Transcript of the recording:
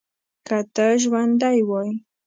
که ته ژوندی وای.